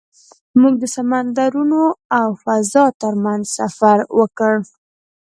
موږ د سمندرونو او فضا تر منځ سفر وکړ.